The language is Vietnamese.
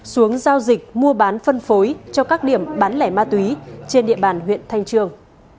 xuống giao dịch mua bán phân phối cho các điểm bán lẻ ma túy trên địa bàn huyện thanh trương